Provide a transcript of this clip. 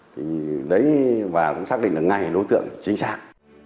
thì đấy bà cũng xác định được ngay đối tượng chính xác